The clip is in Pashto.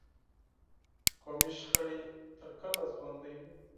قومي شخړې تر کله ژوندي وي.